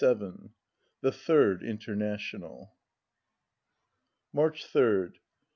212 THE THIRD INTERNATIONAL March 3rd.